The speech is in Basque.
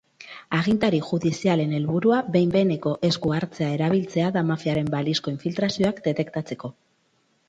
Agintari judizialen helburua behin-behineko esku hartzea erabiltzea da mafiaren balizko infiltrazioak detektatzeko.